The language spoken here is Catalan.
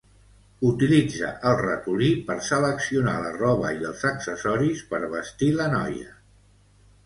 Utilitza el ratolí per seleccionar la roba i els accessoris per vestir la noia.